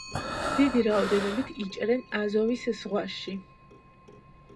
დიდი რაოდენობით იჭერენ აზოვის ზღვაში.